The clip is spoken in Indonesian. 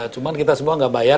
cuman kita semua gak bayar